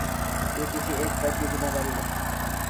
یہ کسی ایک فرد کی ذمہ داری نہیں۔